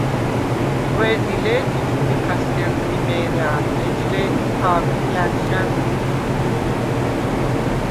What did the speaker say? ყვე̄დი ლე̄თ ი ჩუხიქა სგელდ ლიმე̄რა̄̈ლ ეჯ ლე̄თი ჰა̄ვდრი ლა̈ნშა̈ნ ლი.